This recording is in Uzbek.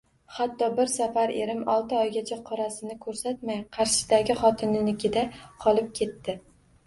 Hatto bir safar erim olti oygacha qorasini ko'rsatmay, Qarshidagi xotininikida qolib ketdi